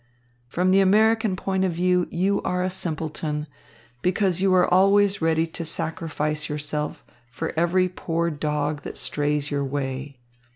From the American point of view you are a simpleton, because you are always ready to sacrifice yourself for every poor dog that strays your way.